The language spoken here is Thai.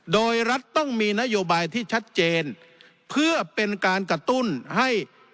โดยรัฐต้องมีนโยบายที่ชัดเจนเพื่อเป็นการกระตุ้นให้